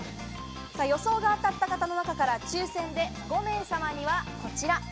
予想が当たった方の中から抽選で５名様にはこちら。